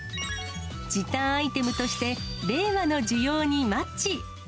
時短アイテムとして、令和の需要にマッチ。